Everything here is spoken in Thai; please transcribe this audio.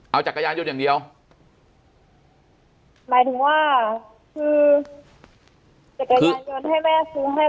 เอาจักรยานยนต์อย่างเดียวหมายถึงว่าคือจักรยานยนต์ให้แม่ซื้อให้